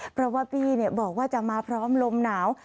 เพราะว่าบี้บอกว่าจะมาพร้อมลมหนาว